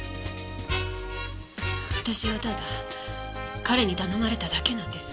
私はただ彼に頼まれただけなんです。